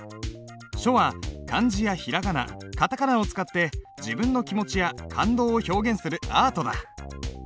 書は漢字や平仮名片仮名を使って自分の気持ちや感動を表現するアートだ。